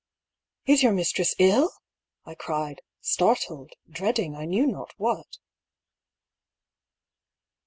" Is your mistress ill ?" I cried, startled, dreading I knew not what.